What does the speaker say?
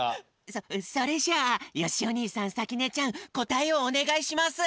そそれじゃあよしお兄さんさきねちゃんこたえをおねがいします。